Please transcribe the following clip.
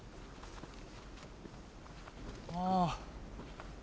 ああ。